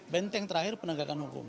benteng terakhir penegakan hukum